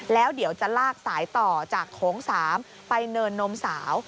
แล้วเดี๋ยวจะลากสายต่อจากโถง๓ไปเนินนมสาว